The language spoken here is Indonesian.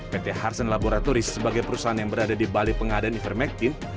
pt harsen laboratoris sebagai perusahaan yang berada di bali pengadaan ivermectin